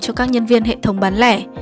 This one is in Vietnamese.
cho các nhân viên hệ thống bán lẻ